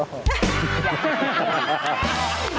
อย่าเป็นไร